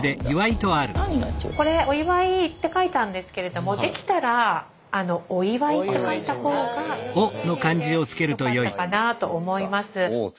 これ「祝」って書いたんですけどもできたら「御祝」って書いた方がより丁寧でよかったかなと思います。